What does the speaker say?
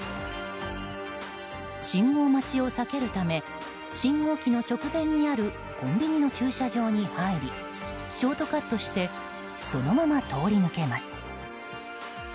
信号待ちを避けるため信号機の直前にあるコンビニの駐車場に入りショートカットしてそのまま通り抜けます。